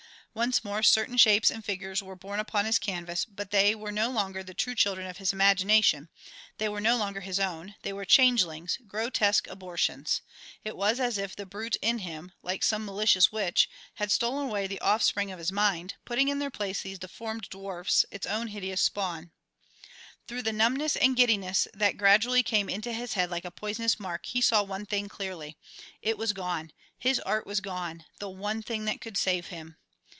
Once more certain shapes and figures were born upon his canvas, but they were no longer the true children of his imagination, they were no longer his own; they were changelings, grotesque abortions. It was as if the brute in him, like some malicious witch, had stolen away the true offspring of his mind, putting in their place these deformed dwarfs, its own hideous spawn. Through the numbness and giddiness that gradually came into his head like a poisonous murk he saw one thing clearly: It was gone his art was gone, the one thing that could save him.